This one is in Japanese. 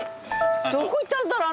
どこいったんだろう